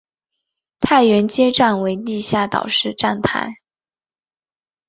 太原街站为地下岛式站台。